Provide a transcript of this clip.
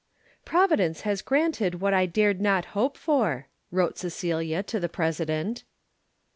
"Providence has granted what I dared not hope for," wrote Cecilia to the President.